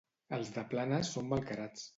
Els de Planes són malcarats.